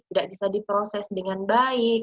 yang tidak bisa diproduksi dengan baik